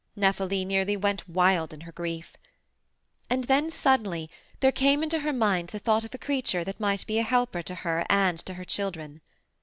Nephele nearly went wild in her grief. And then, suddenly, there came into her mind the thought of a creature that might be a helper to her and to her children.